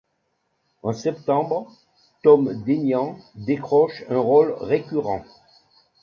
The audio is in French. En septembre, Tom Degnan décroche un rôle récurrent.